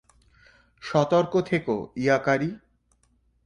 সতর্ক থেকো, ইয়াকারি!